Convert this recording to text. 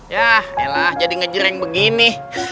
yah elah jadi ngejir yang begini